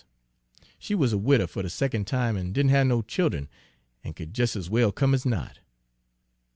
She wuz a widder fer de secon' time, an' didn' have no child'en, an' could jes' as well come as not.